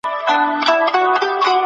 کتاب مې په شوق ولوست.